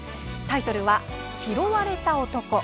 タイトルは「拾われた男」。